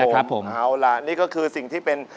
ครับผมเอาล่ะนี่ก็คือสิ่งที่เป็น